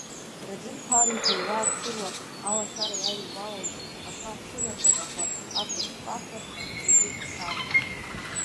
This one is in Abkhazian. Раӡын ԥароушәа, еилаарцыруа алашара иадубалауаз ақәа цыра-ԥаҟьақәа апыҟҟаҳәа инеигәыдԥсалеит.